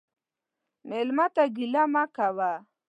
مېلمه ته ګیله مه کوه.